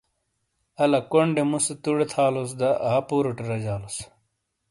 آلا کونڈے موسے توڈے تھالوس دا آپوروٹے رجالوس۔